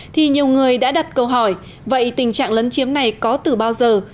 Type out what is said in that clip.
thì nhiều người đã đặt câu hỏi vậy tình trạng lấn chiếm này có từ bao giờ